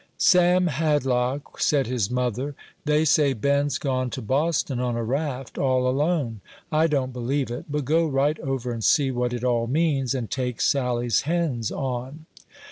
"Sam Hadlock," said his mother, "they say Ben's gone to Boston on a raft, all alone. I don't believe it; but go right over and see what it all means, and take Sally's hens on."